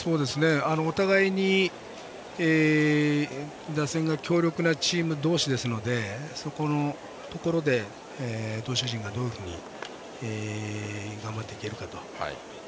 お互いに打線が強力なチーム同士ですのでそこで投手陣がどういうふうに頑張っていけるかと。